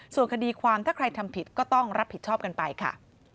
ส่วนคดีความถ้าใครทำผิดก็ต้องรับผิดชอบกันไปค่ะ